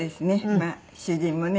まあ主人もね